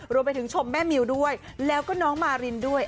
รวมไปถึงชมแม่มิวด้วยแล้วก็น้องมารินด้วย